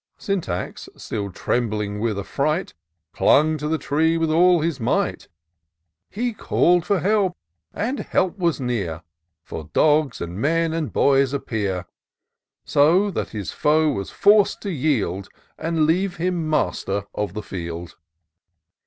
Syntax, still trembling with a&ight. Clung to the tree with all his might ; He call'd for help — ^and help was near. For dogs, and men, and boys appear ; 56 TOUR OF DOCTOR SYNTAX So that his foe was forced to yield, And leave him master of the field.